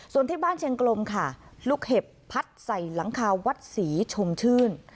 ส่วนที่บ้านเชียงกลมค่ะลูกเห็บพัดใส่หลังคาวัดศรีชมชื่น